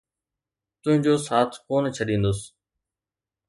تنهنجو ساٿ ڪونہ ڇڏيندس.